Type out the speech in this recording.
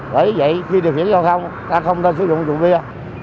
bởi vậy khi điều khiển giao thông ta không nên sử dụng rượu bia